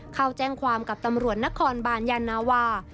เข้าแจ้งความกับตำรวจนครบานยานาวา